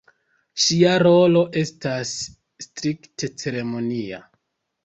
Ŝia rolo estas strikte ceremonia.